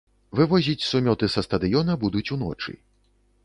Вывозіць сумёты са стадыёна будуць уночы.